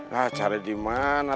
nah cari di mana